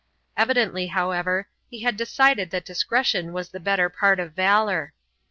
Evidently, however, he had decided that discretion was the better part of valour.